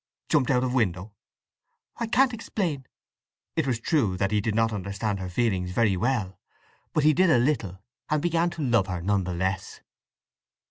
"Jumped out of window?" "I can't explain!" It was true that he did not understand her feelings very well. But he did a little; and began to love her none the less.